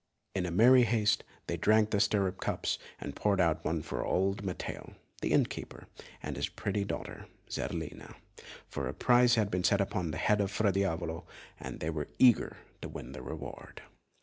In merry haste, they drank the stirrup cups poured out for them by old Matteo, the inn keeper, and his pretty daughter, Zerlina; for a price had been set upon the head of Fra Diavolo, and they were eager to win the reward.